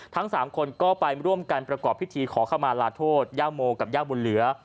ทั้ง๓คนก็ไปร่วมกันประกอบพิธีขอเข้ามาลาโทษย่าโมกับย่าบุญเหลือ